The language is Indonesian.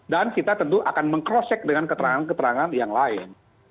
dan kita tentu akan meng cross check dengan keterangan keterangan yang lain